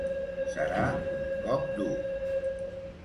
Serà un cop dur.